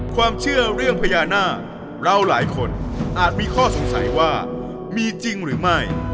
ความเชื่อเรื่องพญานาคเราหลายคนอาจมีข้อสงสัยว่ามีจริงหรือไม่